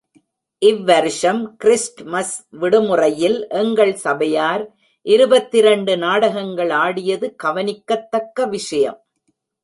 இவ்வருஷம் Christmas விடுமுறையில் எங்கள் சபையார் இருபத்திரண்டு நாடகங்கள் ஆடியது கவனிக்கத்தக்க விஷயம்.